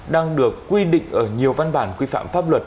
đang được quy định ở nhiều văn bản quy phạm pháp luật